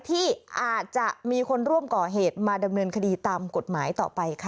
ที่อาจจะมีคนร่วมก่อเหตุมาดำเนินคดีตามกฎหมายต่อไปค่ะ